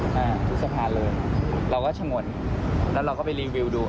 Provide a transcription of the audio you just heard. อ่าทุกสะพานเลยเราก็ชะงนแล้วเราก็ไปรีวิวดู